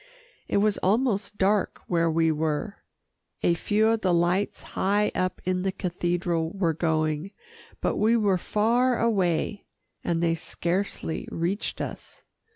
It was almost dark where we were. A few of the lights high up in the cathedral were going, but we were far away, and they scarcely reached us.